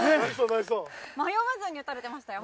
迷わずに打たれてましたよ。